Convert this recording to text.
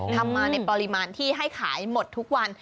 ทำมาในปริมาณที่ให้ขายหมดทุกวัน